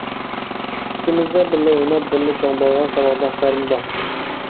كىچىكىمىزدە بىللە ئويناپ، بىللە چوڭ بولغان ساۋاقداشلارمۇ بار.